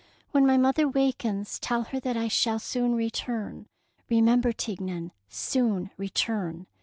When my mother wakens, tell her that I shall soon return, — remember, Tignon, soon return.